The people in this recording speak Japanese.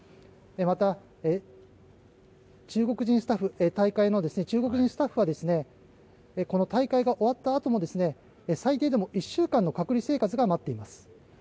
また、大会の中国人スタッフはこの大会が終わったあとも最低でも１週間の隔離生活が待っています。